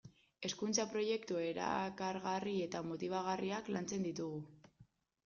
Hezkuntza-proiektu erakargarri eta motibagarriak lantzen ditugu.